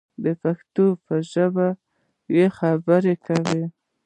د پښتو په ژبه یې خبرې کولې.